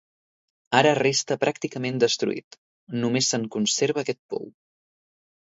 Ara resta pràcticament destruït, només se'n conserva aquest pou.